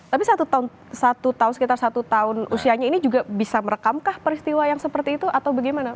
tapi satu tahun sekitar satu tahun usianya ini juga bisa merekamkah peristiwa yang seperti itu atau bagaimana